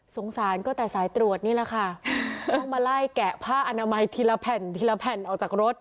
สงสารก็แต่สายตรวจนี่แหละค่ะต้องมาไล่แกะผ้าอนามัยทีละแผ่นทีละแผ่นออกจากรถ